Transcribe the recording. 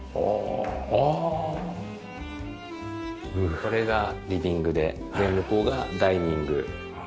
これがリビングで向こうがダイニング。